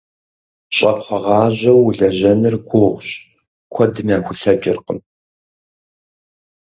Щӏакхъуэгъажьэу уэлэжьэныр гугъущ, куэдым яхулъэкӏыркъым.